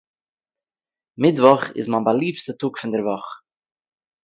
מיטוואך איז מיין באַליבסטע טאָג פון דער וואָך.